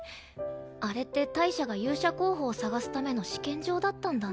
あれって大赦が勇者候補を探すための試験場だったんだね。